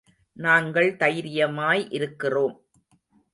நாங்கள் தைரியமாய் இருக்கிறோம்.